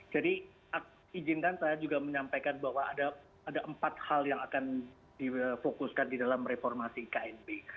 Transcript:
jadi izinkan saya juga menyampaikan bahwa ada empat hal yang akan difokuskan di dalam reformasi knb